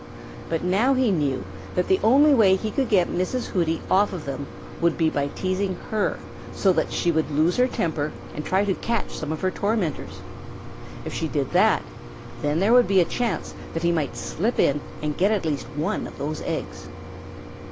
But now he knew that the only way he could get Mrs. Hooty off of them would be by teasing her so that she would lose her temper and try to catch some of her tormentors. If she did that, there would be a chance that he might slip in and get at least one of those eggs.